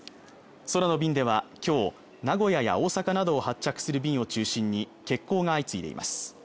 空の便ではきょう名古屋や大阪などを発着する便を中心に欠航が相次いでいます